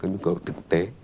cái nhu cầu thực tế